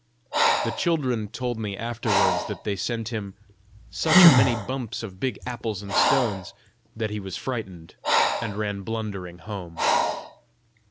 The children told me afterwards that they sent him "such a many bumps of big apples and stones" that he was frightened, and ran blundering home.